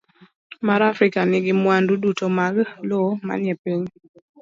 B. mar Afrika nigi mwandu duto mag lowo manie piny.